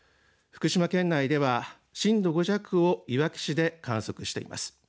福島県内では震度５弱をいわき市で観測しています。